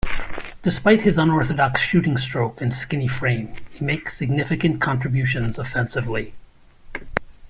Despite his unorthodox shooting stroke and skinny frame, he makes significant contributions offensively.